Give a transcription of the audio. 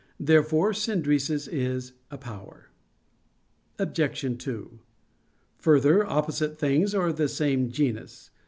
Therefore "synderesis" is a power. Obj. 2: Further, opposite things are of the same genus.